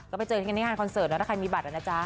ก็ไปเจอกันที่งานคอนเสิร์ตแล้วถ้าใครมีบัตรนะจ๊ะ